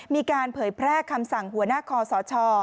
เผยแพร่คำสั่งหัวหน้าคอสช